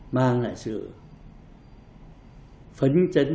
mang lại sự phấn chấn